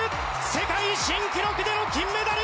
世界新記録での金メダル。